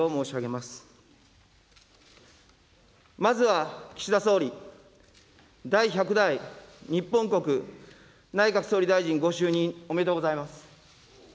まずは岸田総理、第１００代日本国内閣総理大臣ご就任おめでとうございます。